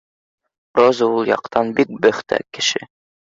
Роза ул яҡтан бик бөхтә кеше